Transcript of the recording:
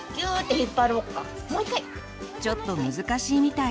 ちょっと難しいみたい。